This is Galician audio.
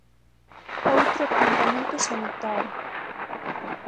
Outro apuntamento sanitario...